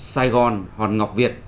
sài gòn hòn ngọc việt